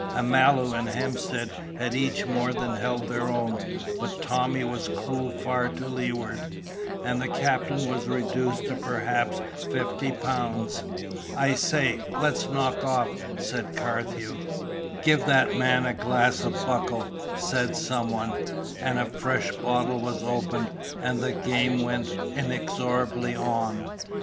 Amalu and Hemstead had each more than held their own, but Tommy was cruel far to leeward, and the captain was reduced to perhaps fifty pounds. "I say, let's knock off," said Carthew. "Give that man a glass of Buckle," said some one, and a fresh bottle was opened, and the game went inexorably on.